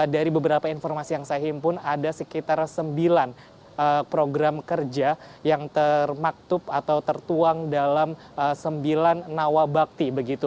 dari beberapa informasi yang saya himpun ada sekitar sembilan program kerja yang termaktub atau tertuang dalam sembilan nawabakti